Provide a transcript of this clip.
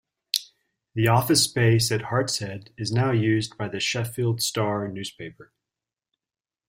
The office space at Hartshead is now used by the "Sheffield Star" newspaper.